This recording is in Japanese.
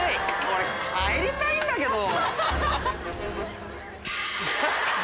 俺帰りたいんだけど！